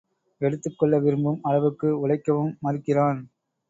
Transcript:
எடுத்துக்கொள்ள விரும்பும் அளவுக்கு உழைக்கவும் மறுக்கிறான்.